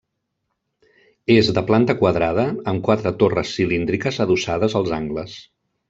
És de planta quadrada amb quatre torres cilíndriques adossades als angles.